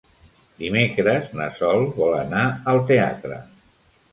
Dimecres na Sol vol anar al teatre.